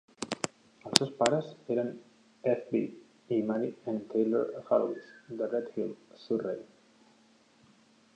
Els seus pares eren F. B. i Mary Ann Taylor Hallowes, de Redhill, Surrey.